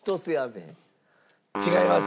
違います。